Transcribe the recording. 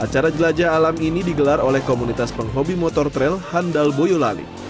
acara jelajah alam ini digelar oleh komunitas penghobi motor trail handal boyolali